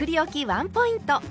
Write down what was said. ワンポイント。